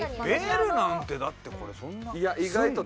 ベルなんてだってこれそんなするの？